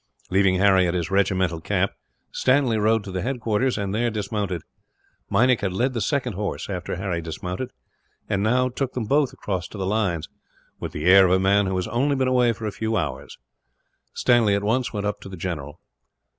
Leaving Harry at his regimental camp, Stanley rode to the headquarters, and there dismounted. Meinik had led the second horse, after Harry dismounted; and now took them both across to the lines, with the air of a man who has only been away a few hours. Stanley at once went up to the general.